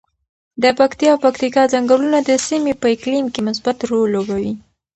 د پکتیا او پکتیکا ځنګلونه د سیمې په اقلیم کې مثبت رول لوبوي.